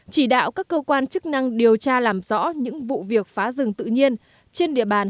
chỉ đạo các cơ quan chức năng điều tra làm rõ những vụ việc phá rừng tự nhiên trên địa bàn